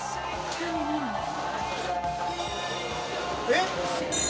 「えっ！」